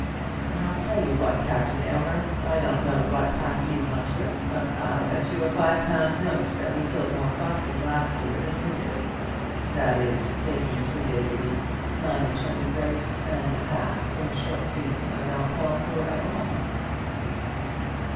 "I'll tell you what, Captain Aylmer; I don't know what pack you hunt with, but I'll bet you a five pound note that we killed more foxes last year than you did; that is, taking three days a week. Nine and twenty brace and a half in a short season I don't call poor at all."